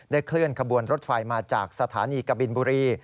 เคลื่อนขบวนรถไฟมาจากสถานีกบินบุรี